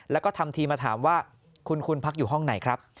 แล้วก็ทำทีมาถามว่าคุณพักอยู่ห้องไหนครับ